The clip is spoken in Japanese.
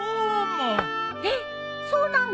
えっそうなの？